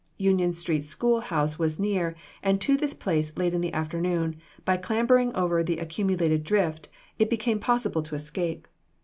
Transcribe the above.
Union street school house was near, and to this place, late in the afternoon, by clambering over the accumulated drift, it became possible to escape.